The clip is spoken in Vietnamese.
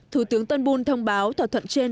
thủ tướng turnbull thông báo thỏa thuận trên